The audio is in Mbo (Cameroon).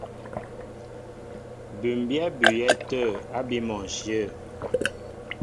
Bʉ́mbyɛ́ á bʉʉyɛ́ tə̂ ábí mɔnshyə̂.